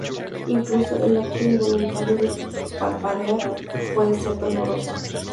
Incluso el acto involuntario de parpadear puede ser doloroso.